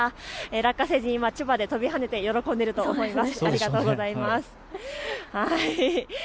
ラッカ星人、今、千葉で飛び跳ねて喜んでいると思います。